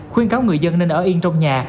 khuyên cáo người dân nên ở yên trong nhà